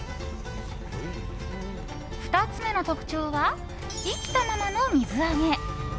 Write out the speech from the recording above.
２つ目の特徴は生きたままの水揚げ。